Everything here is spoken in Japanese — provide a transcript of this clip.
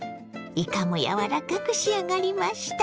いかも柔らかく仕上がりました。